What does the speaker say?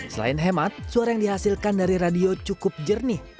selain hemat suara yang dihasilkan dari radio cukup jernih